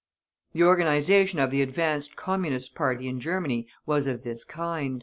The organization of the advanced Communist party in Germany was of this kind.